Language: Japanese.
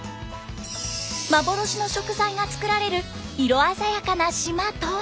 幻の食材がつくられる色鮮やかな島とは？